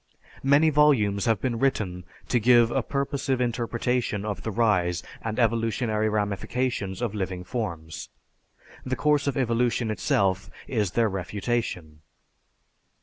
Many volumes have been written to give a purposive interpretation of the rise and evolutionary ramifications of living forms. The course of evolution itself is their refutation."